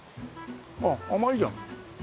ああ甘いじゃん。